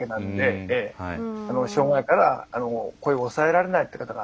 障害から声を抑えられないという方が。